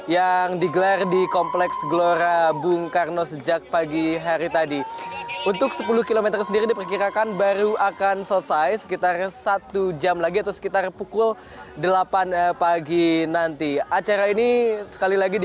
yang digelar di kompleks glorified